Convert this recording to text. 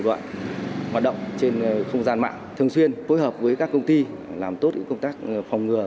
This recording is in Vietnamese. đoạn hoạt động trên không gian mạng thường xuyên phối hợp với các công ty làm tốt công tác phòng ngừa